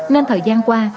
nên thời gian qua